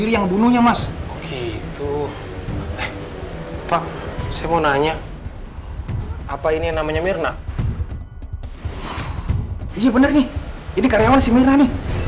iya bener nih ini karyawan si mirna nih